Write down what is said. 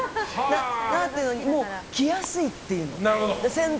着やすいって言うの。